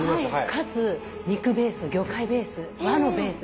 かつ肉ベース魚介ベース和のベース